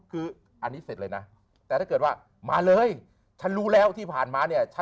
คืออันนี้เสร็จเลยนะแต่ถ้าเกิดว่ามาเลยฉันรู้แล้วที่ผ่านมาเนี่ย